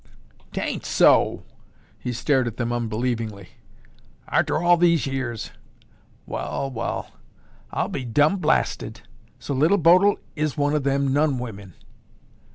"'Tain't so!" He stared at them unbelievingly. "Arter all these years! Wall, wall! I'll be dum blasted! So Little Bodil is one o' them nun women."